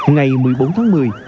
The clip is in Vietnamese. ngày một mươi bốn tháng một mươi